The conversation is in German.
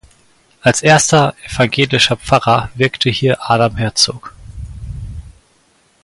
Als erster evangelischer Pfarrer wirkte hier Adam Hertzog.